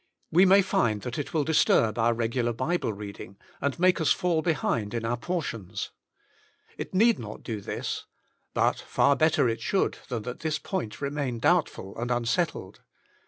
We may find that it will disturb our regular Bible reading, and make us fall behind in our portions. It need not do this. But far better it should, than that this point remain doubtful and un settled.